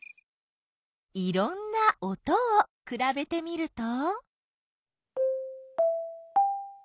いろんな音をくらべてみると？